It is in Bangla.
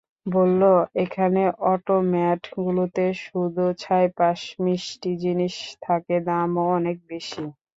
বলল এখানে অটোম্যাটগুলোতে শুধু ছাইপাঁশ মিষ্টি জিনিস থাকে, দামও অনেক বেশি।